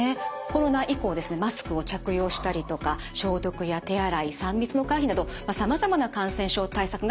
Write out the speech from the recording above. コロナ以降マスクを着用したりとか消毒や手洗い３密の回避などさまざまな感染症対策が取られたこと。